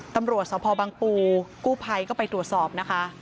ตำรวจสพบังปูกู้ภัยก็ไปตรวจสอบนะคะ